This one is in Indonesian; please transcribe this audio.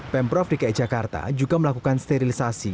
pemprov dki jakarta juga melakukan sterilisasi